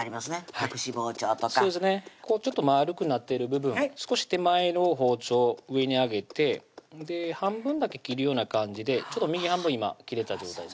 隠し包丁とかそうですねちょっと円くなってる部分少し手前の包丁上に上げて半分だけ切るような感じで右半分今切れた状態ですね